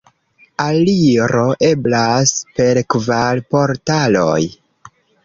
Aliro eblas per kvar portaloj.